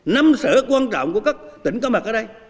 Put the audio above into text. năm sở quan trọng của các tỉnh có mặt ở đây